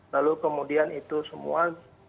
lalu kemudian itu semua